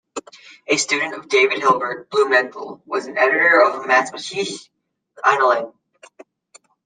A student of David Hilbert, Blumenthal was an editor of "Mathematische Annalen".